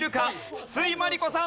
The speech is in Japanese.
筒井真理子さんどうぞ。